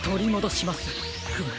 フム！